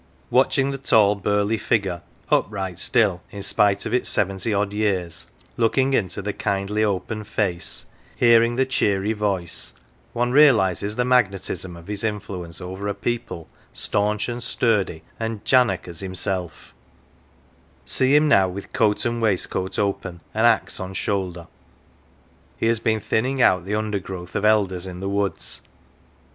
Watching the tall burly figure, upright still in spite of its seventy odd years, looking into the kindly open face, hearing the cheery voice, one realises the magnetism of his influence over a people, staunch and sturdy and "jannock"" as himself. 178 OF THE WALL See him now with coat and waistcoat open, and axe on shoulder ; he has been thinning out the undergrowth of elders in the woods.